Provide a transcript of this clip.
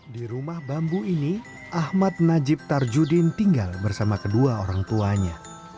di rumah bambu ini ahmad najib tarjudin tinggal bersama kedua orang tuanya